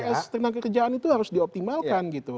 pembelian itu harus dioptimalkan gitu